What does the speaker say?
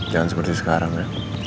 jangan seperti sekarang ya